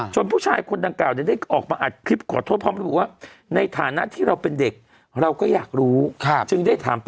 จนผู้ชายคนดังเก่าเนี่ยได้ออกมาอัดคลิปขอโทษพร้อมรู้ว่า